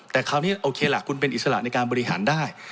แต่คราวนี้โอเคล่ะคุณเป็นอิสระในการบริหารได้